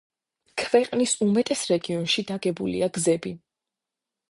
ქვეყნის უმეტეს რეგიონში დაგებულია გზები.